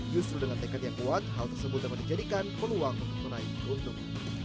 justru dengan tekad yang kuat hal tersebut dapat dijadikan peluang untuk menaiki untung